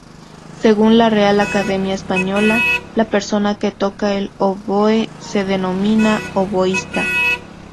Según la Real Academia Española, la persona que toca el oboe se denomina oboísta.